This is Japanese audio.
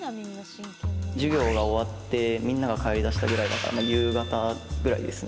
授業が終わってみんなが帰りだしたぐらいだから夕方ぐらいですね。